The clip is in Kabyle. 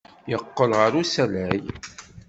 Yeqqel ɣer usalay.